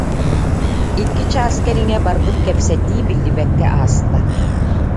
Икки чаас кэриҥэ барбыт кэпсэтии биллибэккэ ааста